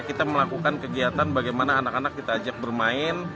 kita melakukan kegiatan bagaimana anak anak kita ajak bermain